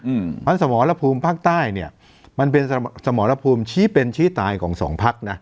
เพราะฉะนั้นสมรภูมิภาคใต้เนี่ยมันเป็นสมรภูมิชี้เป็นชี้ตายของสองพักนะ